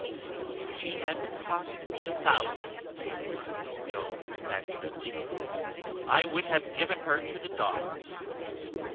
"If she had cost me a thousand," cries Jones passionately, "I would have given her to the dogs."